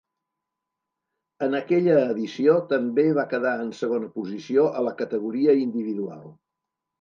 En aquella edició també va quedar en segona posició a la categoria individual.